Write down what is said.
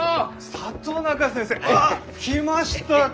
里中先生！ああ来ましたか！